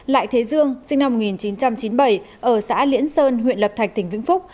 lại thế dương sinh năm một nghìn chín trăm chín mươi bảy ở xã liễn sơn huyện lập thạch tỉnh vĩnh phúc